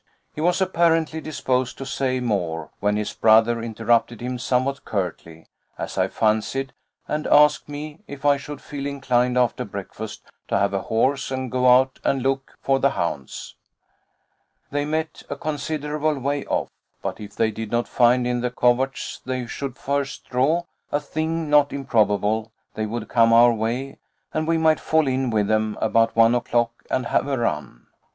He was apparently disposed to say more, when his brother interrupted him somewhat curtly, as I fancied, and asked me if I should feel inclined after breakfast to have a horse and go out and look for the hounds. They met a considerable way off, but if they did not find in the coverts they should first draw, a thing not improbable, they would come our way, and we might fall in with them about one o'clock and have a run.